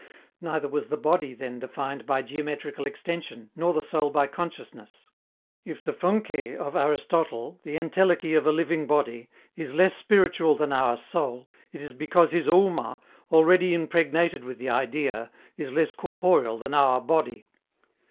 Neither was the body then defined by geometrical extension, nor the soul by consciousness. If the [Greek: psychê] of Aristotle, the entelechy of a living body, is less spiritual than our "soul," it is because his [Greek: oôma], already impregnated with the Idea, is less corporeal than our "body."